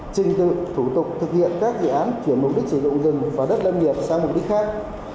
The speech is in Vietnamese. trình tự thủ tục thực hiện các dự án chuyển mục đích sử dụng rừng và đất lâm nghiệp sang mục đích khác